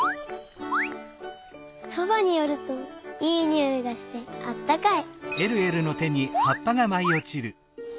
そばによるといいにおいがしてあったかい。